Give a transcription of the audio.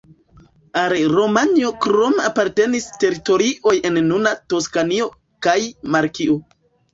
Al Romanjo krome apartenis teritorioj en nuna Toskanio kaj Markio.